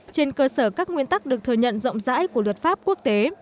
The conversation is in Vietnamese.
trên cơ sở các nguyên tắc được thừa nhận rộng rãi của luật pháp quốc tế